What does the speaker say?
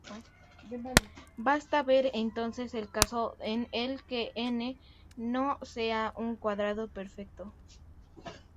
Basta ver entonces, el caso en el que "n" no sea un cuadrado perfecto.